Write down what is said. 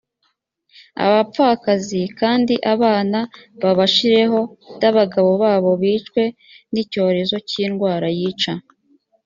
abapfakazi kandi abana babashireho d abagabo babo bicwe n icyorezo cy indwara yica